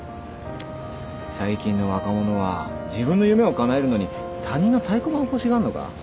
最近の若者は自分の夢をかなえるのに他人の太鼓判を欲しがるのか？